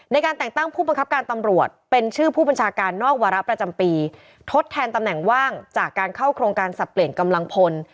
ในการแต่งตั้งผู้บังคับการตำรวจเป็นชื่อผู้บัญชาการนอกวาระประจำปีทดแทนตำแหน่งว่างจากการเข้าโครงการสับเปลี่ยนกำลังพล